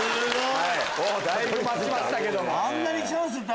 だいぶ待ちましたけども。